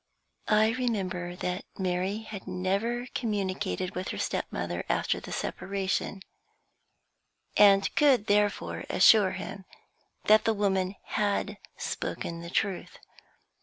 I remembered that Mary had never communicated with her stepmother after the separation, and could therefore assure him that the woman had spoken the truth.